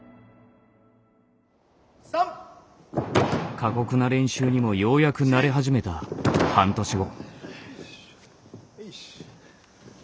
過酷な練習にもようやく慣れ始めた半年後。